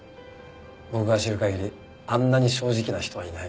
僕が知る限りあんなに正直な人はいない。